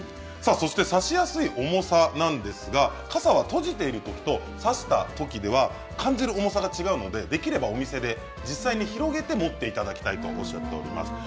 差しやすい重さなんですが傘を閉じているときと差したときでは感じる重さが違うのでできればお店で実際に広げて持っていただきたいとおっしゃっています。